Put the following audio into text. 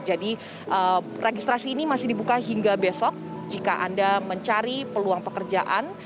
jadi registrasi ini masih dibuka hingga besok jika anda mencari peluang pekerjaan